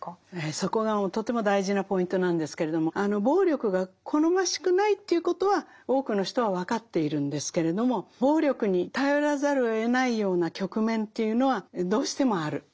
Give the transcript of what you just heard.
そこがとても大事なポイントなんですけれども暴力が好ましくないということは多くの人は分かっているんですけれども暴力に頼らざるをえないような局面というのはどうしてもある。